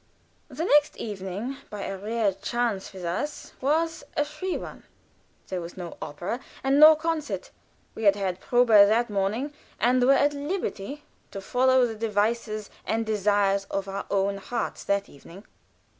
The next evening, by a rare chance with us, was a free one there was no opera and no concert; we had had probe that morning, and were at liberty to follow the devices and desires of our own hearts that evening.